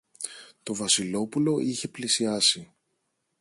Το Βασιλόπουλο είχε πλησιάσει